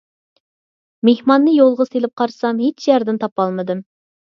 مېھماننى يولغا سېلىپ قارىسام ھېچ يەردىن تاپالمىدىم.